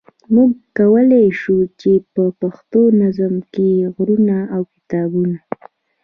موږ کولای شو چې په پښتو نظم کې غرونه او کتابونه.